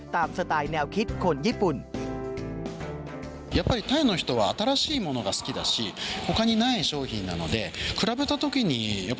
สไตล์แนวคิดคนญี่ปุ่น